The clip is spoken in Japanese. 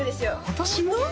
私も？